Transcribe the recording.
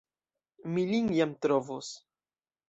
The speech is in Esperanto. Mi lin jam trovos!